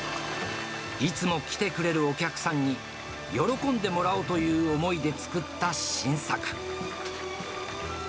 いつも来てくれるお客さんに、喜んでもらおうという思いで作った新作。